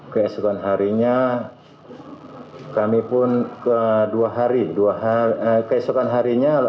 keesokan harinya kami pun kedua hari dua hari keesokan harinya kami langsung pulang